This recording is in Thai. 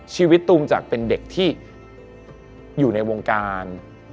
ตูมจากเป็นเด็กที่อยู่ในวงการ